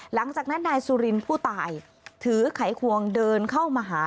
หลังจากนั้นนายสุรินทร์ผู้ตายถือไขควงเดินเข้ามาหา